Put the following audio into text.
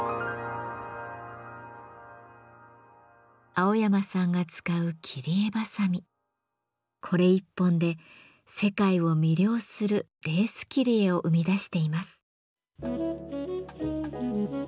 蒼山さんが使うこれ１本で世界を魅了するレース切り絵を生み出しています。